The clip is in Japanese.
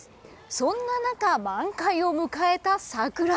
そんな中、満開を迎えた桜。